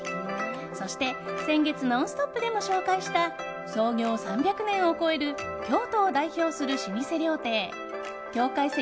そして、先月「ノンストップ！」でも紹介した創業３００年を超える京都を代表する老舗料亭京懐石